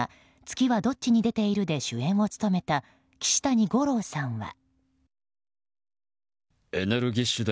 「月はどっちに出ている」で主演を務めた岸谷五朗さんは。